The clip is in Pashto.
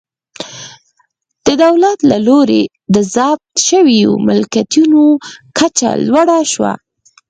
د دولت له لوري د ضبط شویو ملکیتونو کچه لوړه شوه.